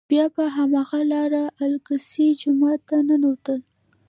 بیا په هماغه لاره الاقصی جومات ته ننوتل.